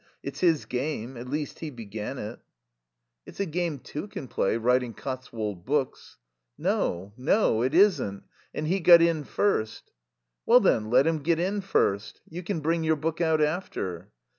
It's his game. At least he began it." "It's a game two can play, writing Cotswold books." "No. No. It isn't. And he got in first." "Well, then, let him get in first. You can bring your book out after."